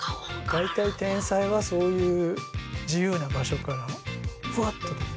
大体天才はそういう自由な場所からふわっと出てくる。